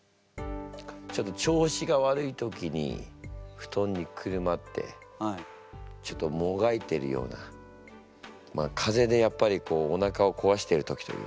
ちょっと調子が悪い時にふとんにくるまってちょっともがいてるような風邪でやっぱりこうおなかをこわしている時というか。